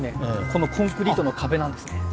このコンクリートの壁なんですね。